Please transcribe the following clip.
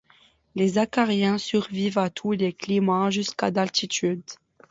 Les acariens survivent à tous les climats, jusqu’à d'altitude.